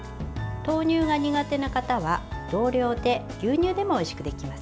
豆乳が苦手な方は、同量で牛乳でもおいしくできますよ。